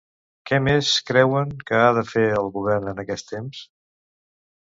Què més creuen que ha de fer el Govern en aquest temps?